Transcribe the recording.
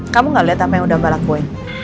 kamu enggak lihat apa yang udah mbak rakoy